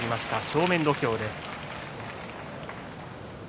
正面土俵です。